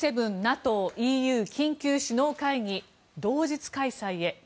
Ｇ７、ＮＡＴＯ、ＥＵ緊急首脳会議同日開催へ。